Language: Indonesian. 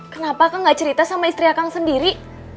kenapa akang gak cerita sama istri akang sendiri